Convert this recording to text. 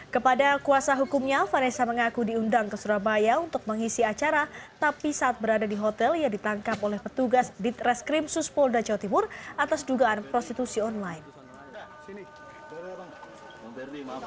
kepada kuasa hukumnya vanessa mengaku diundang ke surabaya untuk mengisi acara tapi saat berada di hotel ia ditangkap oleh petugas ditreskrim suspolda jawa timur atas dugaan prostitusi online